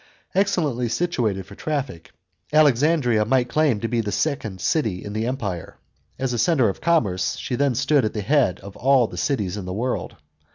Excellently situated for traffic, Alexandria might claim to be the second city in the Empire ; as a centre of commerce, she then stood at the head of all cities in the world.